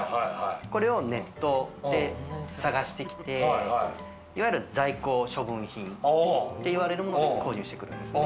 これをネットで探してきていわゆる在庫処分品って言われるものを購入してくるんです。